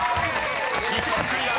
［１問クリア！